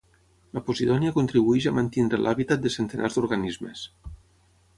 La posidònia contribueix a mantenir l'hàbitat de centenars d'organismes.